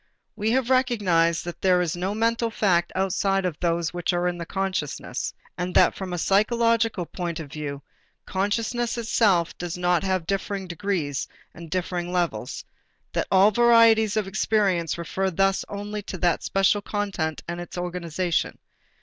We have recognized that there are no mental facts outside of those which are in consciousness and that from a psychological point of view consciousness itself does not have different degrees and different levels, that all varieties of experience refer thus only to the special content and its organization.